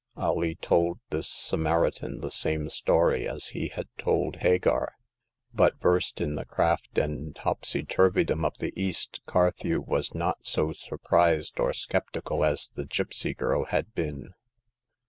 Alee told this Samaritan the same story as he had told Hagar ; but, versed in the craft and topsy turvy dom of the East, Carthew was not so surprised or sceptical as the gipsy girl had been.